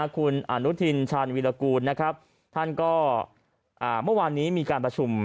คุณอนุทินชาญวิรากูลนะครับท่านก็เมื่อวานนี้มีการประชุม